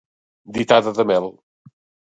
Ditada de mel.